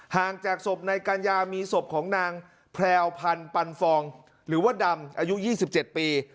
ห่างจากศพนายกัญญามีศพของนางแพรวพันธ์ปันฟองหรือว่าดำอายุ๒๗ปี